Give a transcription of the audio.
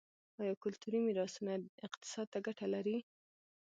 آیا کلتوري میراثونه اقتصاد ته ګټه لري؟